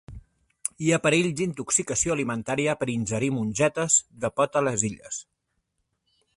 Hi ha perill d'intoxicació alimentària per ingerir mongetes de pot a les Illes